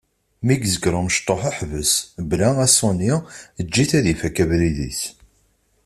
Mi yezger umecṭuḥ ḥbes, bla aṣuni, eǧǧ-it ad ifak abrid-is.